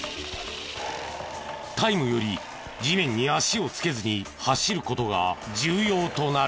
タイムより地面に足をつけずに走る事が重要となる。